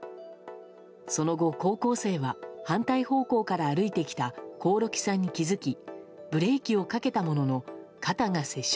その後、高校生は反対方向から歩いてきた興梠さんに気づきブレーキをかけたものの肩が接触。